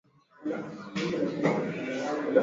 Riccardo alikuwa anataka kwenda Bagamoyo.